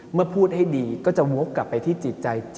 เมื่อพูดให้ดีก็จะวกกลับไปที่จิตใจจิต